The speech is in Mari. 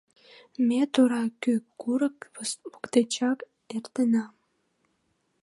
Ме тура кӱ курык воктечак эртена.